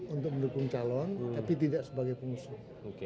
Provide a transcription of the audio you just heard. untuk mendukung calon tapi tidak sebagai pengusung